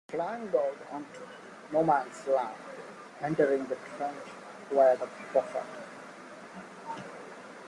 He climbed out onto "no man's land", entering the trench via the parapet.